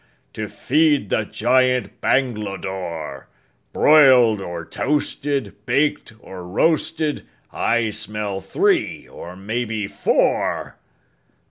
To feed the giant Bangladore. Broiled or toasted, baked or roasted, I smell three or maybe four!